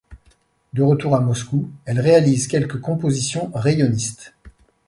De retour à Moscou, elle réalise quelques compositions rayonnistes.